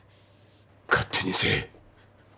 勝手にせえ。